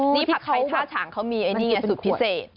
นี่ผัดไทยท่าฉางเขามีไอ้นี่ไงสุดพิเศษ